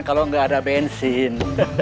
kalau gak ada bensin